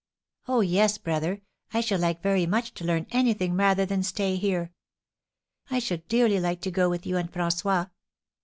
"Oh, yes, brother; I should like very much to learn anything rather than stay here. I should dearly like to go with you and François."